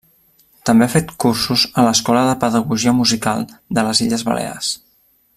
També ha fet cursos a l'Escola de Pedagogia Musical de les Illes Balears.